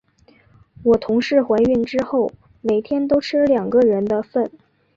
我同事怀孕之后，每天都吃两个人的份。